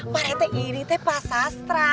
pak rete ini teh pak sastra